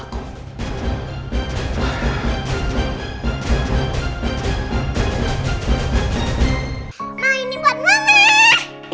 ma ini buat ngelih